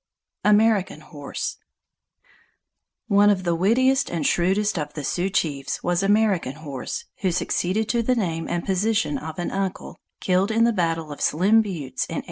AMERICAN HORSE One of the wittiest and shrewdest of the Sioux chiefs was American Horse, who succeeded to the name and position of an uncle, killed in the battle of Slim Buttes in 1876.